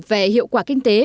về hiệu quả kinh tế